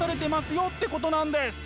よってことなんです！